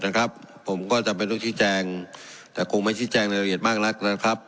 นะครับผมก็จำเป็นต้นที่แจงแต่คงไม่ใช่แจงในละเอียดมากนักแล้วครับ